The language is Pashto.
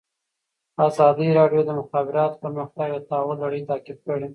ازادي راډیو د د مخابراتو پرمختګ د تحول لړۍ تعقیب کړې.